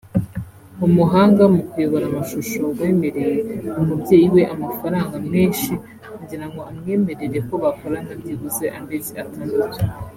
umuhanga mu kuyobora amashusho wemereye umubyeyi we amafaranga menshi kugira ngo amwemerere ko bakorana byibuze amezi atandatu